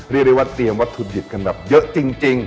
เรียกได้ว่าเตรียมวัตถุดิบกันแบบเยอะจริง